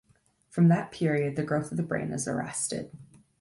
From that period the growth of the brain is arrested.